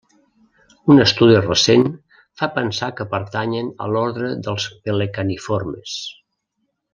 Un estudi recent fa pensar que pertanyen a l'ordre dels pelecaniformes.